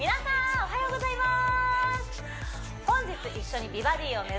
おはようございまーす！